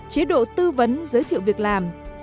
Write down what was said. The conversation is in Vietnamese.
chế độ tư vấn giới thiệu việc làm